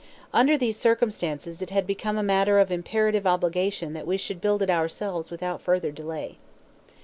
Under these circumstances it had become a matter of imperative obligation that we should build it ourselves without further delay.